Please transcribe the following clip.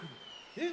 えっ？